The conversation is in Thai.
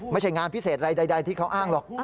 ไม่ใช่งานพิเศษอะไรใดที่เขาอ้างหรอก